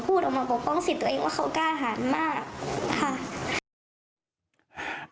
พูดออกมาปกป้องสิทธิ์ตัวเองว่าเขากล้าหารมากค่ะ